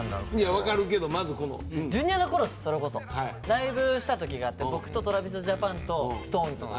ライブした時があって僕とＴｒａｖｉｓＪａｐａｎとＳｉｘＴＯＮＥＳの。